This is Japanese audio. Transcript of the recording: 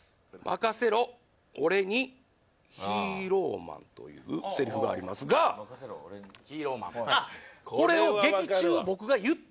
「任せろ俺にヒーローマン」というセリフがありますがあっ